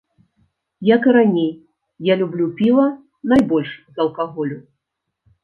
Як і раней, я люблю піва найбольш з алкаголю.